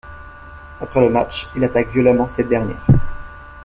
Après le match, elle attaque violemment cette dernière.